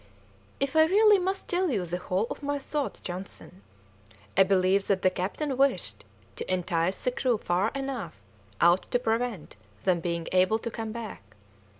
"If I really must tell you the whole of my thoughts, Johnson, I believe that the captain wished to entice the crew far enough out to prevent them being able to come back.